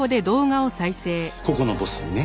ここのボスにね。